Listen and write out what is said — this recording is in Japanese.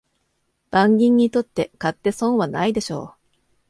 万人にとって買って損はないでしょう